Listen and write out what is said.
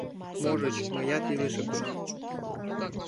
Можыч, мыят илыше кодам.